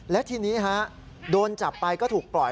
และทีนี้ฮะโดนจับไปก็ถูกปล่อย